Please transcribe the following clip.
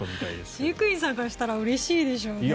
飼育員さんからしたらうれしいでしょうね。